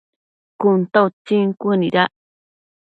Cun ta utsin cuënuidac